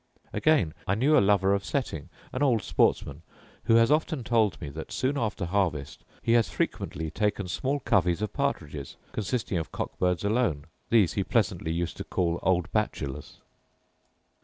Again; I knew a lover of setting, an old sportsman, who has often told me that soon after harvest he has frequently taken small coveys of partridges, consisting of cock birds alone; these he pleasantly used to call old bachelors.